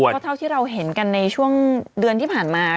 ก็เท่าที่เราเห็นกันในช่วงเดือนที่ผ่านมา